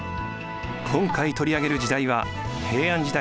今回取り上げる時代は平安時代